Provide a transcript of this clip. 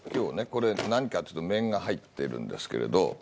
これ何かっていうと面が入ってるんですけれど。